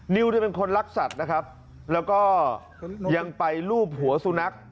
นิ้วเป็นคนรักสัตว์แล้วก็ยังไปรูปหัวสุนัข